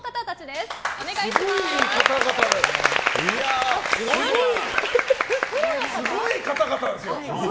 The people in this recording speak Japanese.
すごい方々だよ。